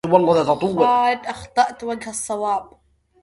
أخالد أخطأت وجه الصواب